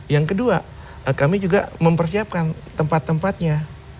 yang kedua kami juga mempersiapkan tempat tempatnya